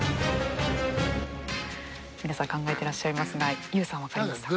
皆さん考えていらっしゃいますがＹＯＵさん分かりますか？